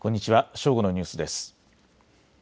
正午のニュースです。